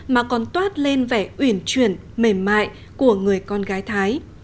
mà còn toát lên vẻ uyển chuyển mềm mại của người con gái thái